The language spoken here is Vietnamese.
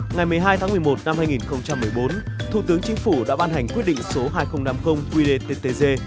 ngày một mươi hai tháng một mươi một năm hai nghìn một mươi bốn thủ tướng chính phủ đã ban hành quyết định số hai nghìn năm mươi qdttg